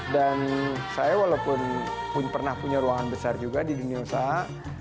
dan saya walaupun pernah punya ruangan besar juga di dunia usaha